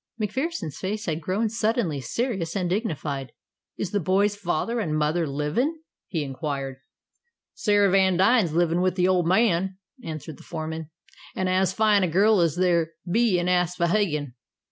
MacPherson's face had grown suddenly serious and dignified. "Is the boy's father and mother livin'?" he inquired. "Sarah Vandine's living with the old man," answered the foreman, "and as fine a girl as there'll be in Aspohegan.